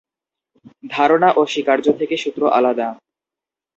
ধারণা ও স্বীকার্য থেকে সূত্র আলাদা।